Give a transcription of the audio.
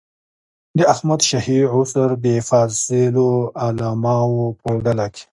د احمد شاهي عصر د فاضلو علماوو په ډله کې.